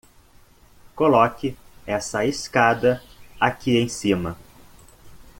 Coloque essa escada aqui em cima.